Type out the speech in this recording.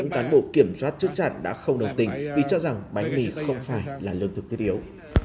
định ý cho rằng bánh mì không phải là lương thực thiết yếu